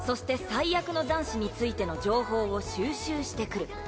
災厄の残滓についての情報を収集してくる